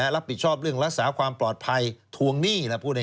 รับผิดชอบเรื่องรักษาความปลอดภัยทวงหนี้